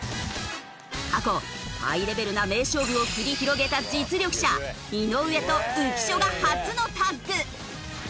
過去ハイレベルな名勝負を繰り広げた実力者井上と浮所が初のタッグ。